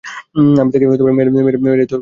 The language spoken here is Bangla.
আমি তাকে মেরেই তোর কাছে এসেছিলাম।